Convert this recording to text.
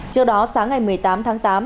trước đó sáng ngày một mươi tám tháng tám